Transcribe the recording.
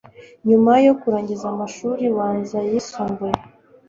Nyuma yo kurangiza amashuri abanza n'ayisumbuye